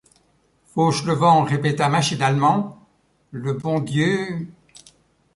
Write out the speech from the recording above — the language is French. Fauchelevent répéta machinalement: — Le bon Dieu...